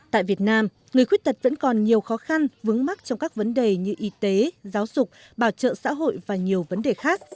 tại việt nam người khuyết tật vẫn còn nhiều khó khăn vướng mắt trong các vấn đề như y tế giáo dục bảo trợ xã hội và nhiều vấn đề khác